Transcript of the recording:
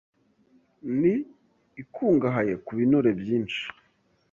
ni ikungahaye ku binure byinshi,